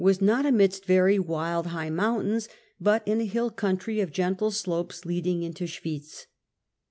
^orgar en, ^^^ ^midst very wild high mountains, but in a hill coun try of gentle slopes leading into Schwitz.